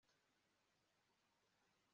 mbabajwe no kuvuga ko ntashobora kugufasha